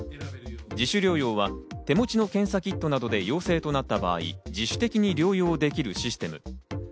自主療養は手持ちの検査キットなどで陽性になった場合、自主的に療養できるシステム。